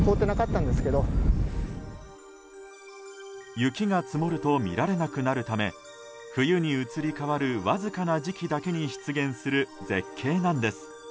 雪が積もると見られなくなるため冬に移り変える前のわずかな時期だけに出現する絶景なんです。